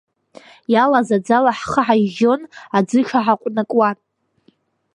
Иалаз аӡала ҳхы ҳажьжьон, аӡыша ҳаҟәнакуан.